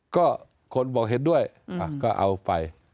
ก็คนบอกเห็นด้วยก็เอาไป